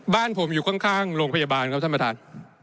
บ้านผมอยู่ข้างโรงพยาบาลครับท่านประธาน